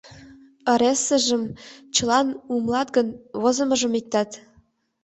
Ыресыжым чылан умылат гын, возымыжым — иктат.